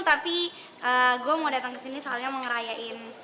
tapi gue mau datang kesini soalnya mau ngerayain